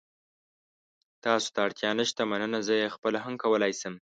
تاسو ته اړتیا نشته، مننه. زه یې خپله هم کولای شم.